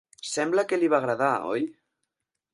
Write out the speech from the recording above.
Sembla que li va agradar, oi?